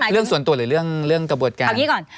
เรื่องส่วนตัวหรือเรื่องกระบวนการ